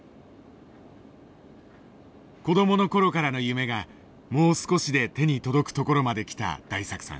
子どもの頃からの夢がもう少しで手に届くところまで来た大作さん。